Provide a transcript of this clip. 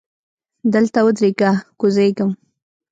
دلته ودریږه! کوزیږم.